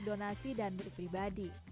donasi dan beli pribadi